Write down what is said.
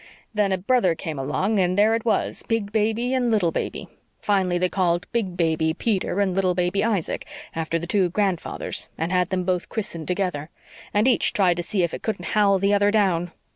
Then a brother came along and there it was 'Big Baby' and 'Little Baby.' Finally they called Big Baby Peter and Little Baby Isaac, after the two grandfathers, and had them both christened together. And each tried to see if it couldn't howl the other down.